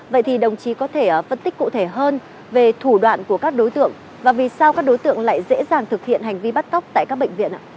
vậy thì đồng chí có thể phân tích cụ thể hơn về thủ đoạn của các đối tượng và vì sao các đối tượng lại dễ dàng thực hiện hành vi bắt cóc tại các bệnh viện ạ